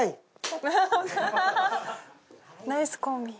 ナイスコンビ。